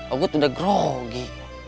aku tuh udah grogi